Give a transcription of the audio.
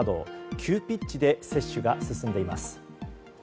急ピッチで接種が進んでいます。